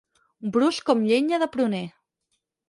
Brusc com llenya de pruner.